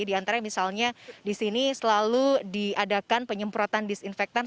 di antara misalnya di sini selalu diadakan penyemprotan disinfektan